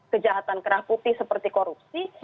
kejahatan kerah putih seperti korupsi